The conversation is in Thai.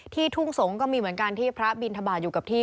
ทุ่งสงศ์ก็มีเหมือนกันที่พระบินทบาทอยู่กับที่